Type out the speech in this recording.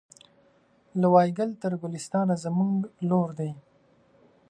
له وایګل تر ګلستانه زموږ لور دی